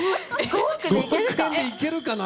５億円でいけるかな？